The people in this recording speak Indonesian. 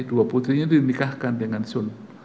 dua putrinya dinikahkan dengan sul